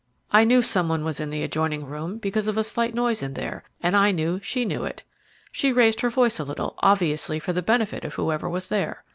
I knew some one was in the adjoining room because of a slight noise in there, and I knew she knew it. She raised her voice a little, obviously for the benefit of whoever was there.